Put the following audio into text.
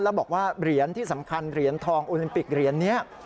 แล้วบอกว่าเหรียญที่สำคัญเหรียญทองโอลิมปิกเหรียญนี้